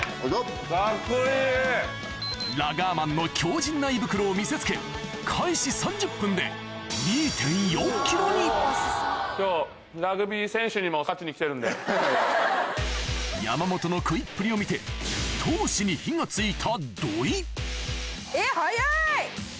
・・カッコいい・ラガーマンの強靱な胃袋を見せつけ山本の食いっぷりを見て闘志に火がついた土井えっ早い！